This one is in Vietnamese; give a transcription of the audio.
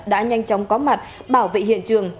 đã nhanh chóng có mặt bảo vệ hiện trường